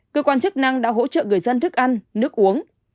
cơ quan chức năng đã hỗ trợ người dân thức ăn nước uống